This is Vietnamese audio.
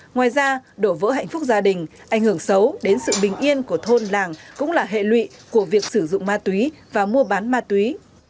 ngoài ra đổ vỡ hạnh phúc gia đình ảnh hưởng xấu đến sự bình yên của thôn làng cũng là hệ lụy của việc sử dụng ma túy và mua bán ma túy